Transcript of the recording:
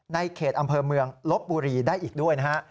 ในเขตอำเภอเมืองลบบุรีได้อีกด้วยนะฮะ